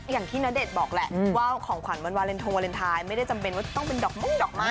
ณเดชน์บอกแหละว่าของขวัญวันวาเลนโทวาเลนไทยไม่ได้จำเป็นว่าจะต้องเป็นดอกมุ่งดอกไม้